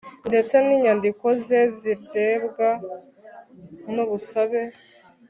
ndetse n inyandiko ze zirebwa n ubusabe